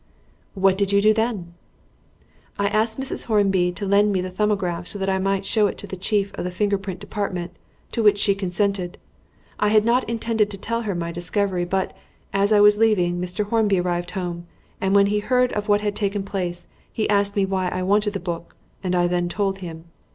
"What did you do then?" "I asked Mrs. Hornby to lend me the 'Thumbograph' so that I might show it to the Chief of the Finger print Department, to which she consented. I had not intended to tell her of my discovery, but, as I was leaving, Mr. Hornby arrived home, and when he heard of what had taken place, he asked me why I wanted the book, and then I told him.